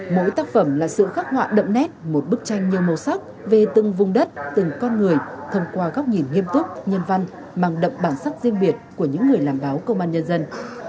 mỗi tác phẩm là sự khắc họa đậm nét một bức tranh nhiều màu sắc về từng vùng đất từng con người thông qua góc nhìn nghiêm túc nhân văn mang đậm bản sắc riêng biệt của những người làm báo công an nhân dân